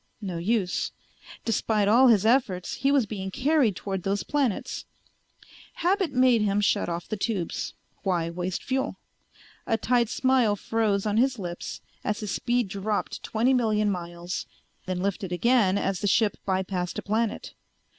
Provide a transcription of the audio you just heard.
No use. Despite all his efforts he was being carried toward those planets. Habit made him shut off the tubes. Why waste fuel? A tight smile froze on his lips as his speed dropped to twenty million miles then lifted again as the ship by passed a planet.